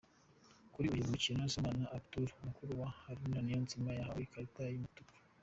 Kuri uyu mukino Sibomana Abdul, mukuru wa Haruna Niyonzima yahawe ikarita y’umutuku.